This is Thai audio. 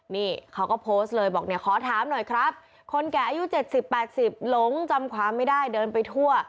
นี่เขาก็โพสต์เลยบอกเนี่ยขอถามหน่อยครับคนแก่อายุ๗๐๘๐หลงจำความไม่ได้เดินไปทั่ว